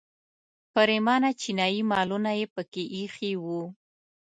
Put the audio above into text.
پریمانه چینایي مالونه یې په کې ایښي وو.